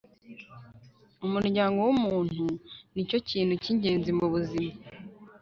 umuryango wumuntu nicyo kintu cyingenzi mubuzima